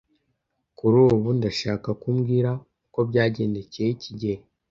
Kuri ubu, ndashaka ko umbwira uko byagendekeye kigeli.